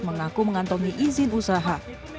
mengaku mengantongi izin usaha